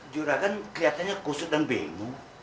juragan kelihatannya kusut dan bingung